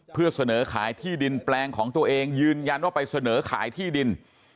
เพื่อเสนอขายที่ดินแปลงของตัวเองยืนยันว่าไปเสนอขายที่ดิน